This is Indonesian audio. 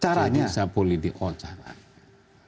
caranya sapu lidi oh caranya